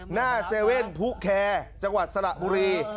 หน้าเซเว่นภูแคร์จังหวัดสระบุรี